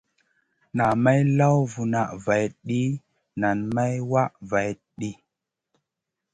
Na may law vuna vahdi nen may wah vaihʼdi.